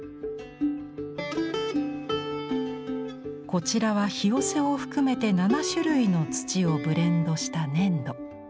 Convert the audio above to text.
こちらはひよせを含めて７種類の土をブレンドした粘土。